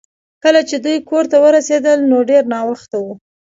کله چې دوی کور ته ورسیدل نو ډیر ناوخته و